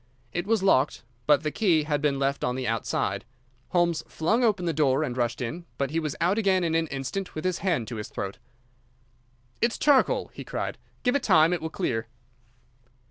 It was locked, but the key had been left on the outside. Holmes flung open the door and rushed in, but he was out again in an instant, with his hand to his throat. "It's charcoal," he cried. "Give it time. It will clear."